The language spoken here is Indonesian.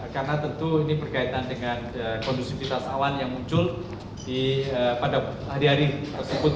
karena tentu ini berkaitan dengan kondusivitas awan yang muncul